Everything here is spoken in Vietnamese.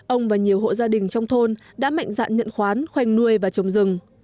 ông và nhiều hộ gia đình trong thôn đã mạnh dạn nhận khoán khoanh nuôi và trồng rừng